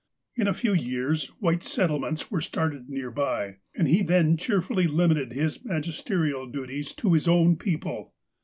In a few years, white settlements were started near by, and he then cheerfully limited his magisterial duties to his owji people.